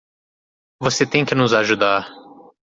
Você tem que nos ajudar.